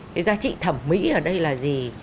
cái giá trị thẩm mỹ ở đây là gì